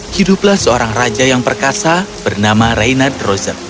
hiduplah seorang raja yang perkasa bernama reynard rosa